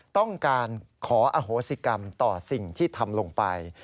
ต้องการขออโหสิกรรมต่อสิ่งที่ทำลงไป